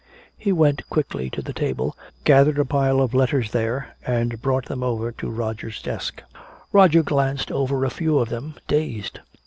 He went quickly to the table, gathered a pile of letters there and brought them over to Roger's desk. Roger glanced over a few of them, dazed.